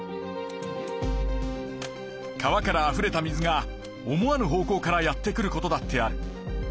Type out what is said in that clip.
川からあふれた水が思わぬ方向からやって来る事だってある。